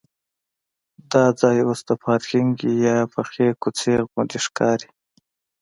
دا ځای اوس د پارکینک یا پخې کوڅې غوندې ښکاري.